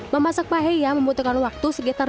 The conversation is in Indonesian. memasak paheya membutuhkan waktu sekitar